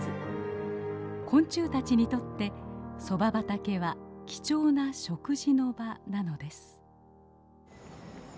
昆虫たちにとってソバ畑は貴重な食事の場なのです。